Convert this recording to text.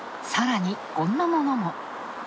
さらにこんなものも。